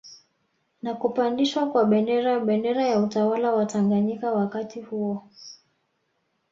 Na kupandishwa kwa Bendera bendera ya utawala wa Tanganyika wakati huo